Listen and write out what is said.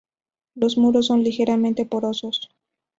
Los muros son ligeramente porosos.